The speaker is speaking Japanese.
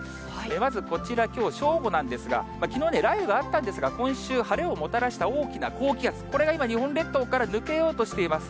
まずこちら、きょう正午なんですが、きのうね、雷雨があったんですが、今週、晴れをもたらした大きな高気圧、これが今、日本列島から抜けようとしています。